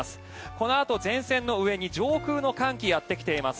このあと、前線の上に上空の寒気がやってきています。